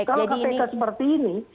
kalau kpk seperti ini